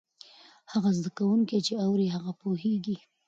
هغه زده کوونکی چې اوري، ښه پوهېږي.